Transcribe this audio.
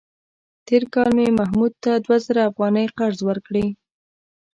تېر کال مې محمود ته دوه زره افغانۍ قرض ورکړې.